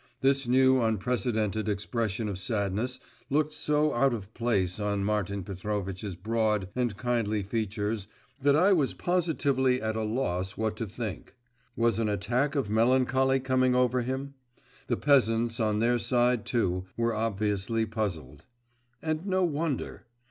This new unprecedented expression of sadness looked so out of place on Martin Petrovitch's broad and kindly features that I positively was at a loss what to think. Was an attack of melancholy coming over him? The peasants, on their side, too, were obviously puzzled. And no wonder!